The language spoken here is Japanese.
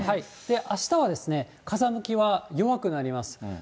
あしたは、風向きは弱くなります。